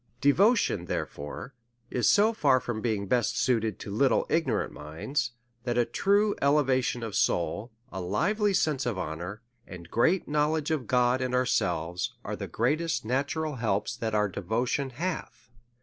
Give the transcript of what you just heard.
Devotion therefore is so far from being best suited to little ignorant minds, that a true elevation of soul, a lively sense of honour, and great knowledge of God and ourselves, are the greatest natural helps that oup devotion hath.